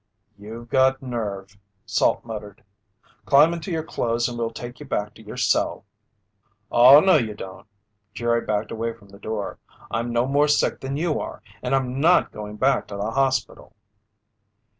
"You got a nerve!" Salt muttered. "Climb into your clothes and we'll take you back to your cell." "Oh, no, you don't!" Jerry backed away from the door. "I'm no more sick than you are, and I'm not going back to the hospital!"